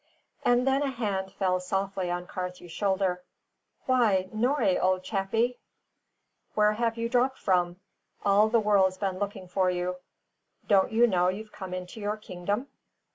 And then a hand fell softly on Carthew's shoulder. "Why, Norrie, old chappie, where have you dropped from? All the world's been looking for you. Don't you know you've come into your kingdom?"